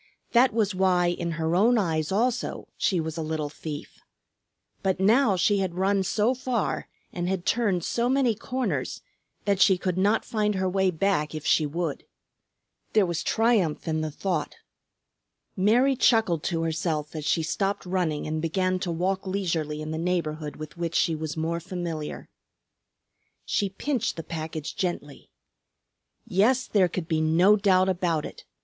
That was why in her own eyes also she was a little thief. But now she had run so far and had turned so many corners that she could not find her way back if she would. There was triumph in the thought. Mary chuckled to herself as she stopped running and began to walk leisurely in the neighborhood with which she was more familiar. She pinched the package gently. Yes, there could be no doubt about it.